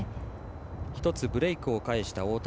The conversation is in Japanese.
１つブレークを返した大谷。